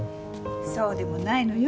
そうでもないのよ。